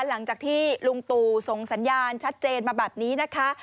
หลังจากที่ลุงตู่ส่งสัญญาณชัดเจนมาแบบนี้นะคะ